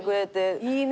いいねぇ。